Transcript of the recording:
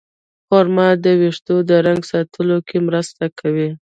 خرما د ویښتو د رنګ ساتلو کې مرسته کوي.